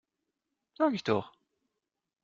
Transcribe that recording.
Sag ich doch!